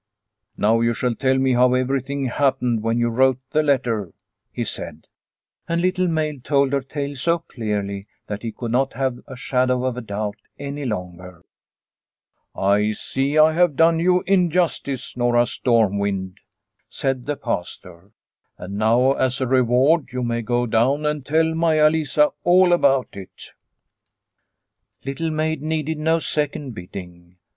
Now you shall tell me how everything happened when you wrote the letter," he said. And Little Maid told her tale so clearly that he could not have a shadow of doubt any longer. " I see I have done you injustice, Nora Storm wind," said the Pastor, " and now as a reward you may go down and tell Maia Lisa all about it." Little Maid needed no second bidding.